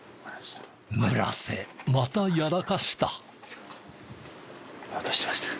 村瀬またやらかした。